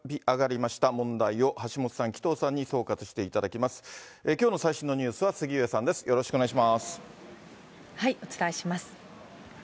きょうの最新のニュースは杉上さお伝えします。